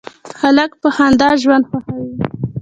هلک په خندا ژوند خوښوي.